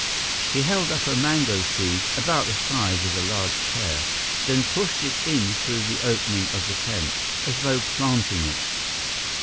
He held up a mango seed, about the size of a large pear, then pushed it in through the opening of the tent, as though planting it.